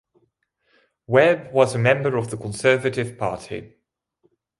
Webb was a member of the Conservative Party.